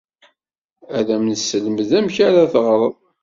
Ad am-nesselmed amek ara teɣred.